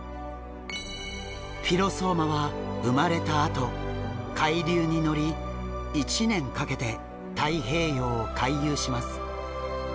フィロソーマは生まれたあと海流に乗り１年かけて太平洋を回遊します。